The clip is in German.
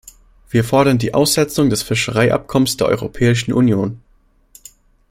Wir fordern die Aussetzung des Fischereiabkommens der Europäischen Union.